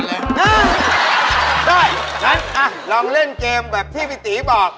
ได้งั้นลองเล่นเกมแบบที่พี่ตีบอก